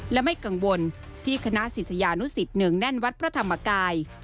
และไม่กังวลที่คณะศิษยานุสิตเนื่องแน่นวัดพระธรรมกาย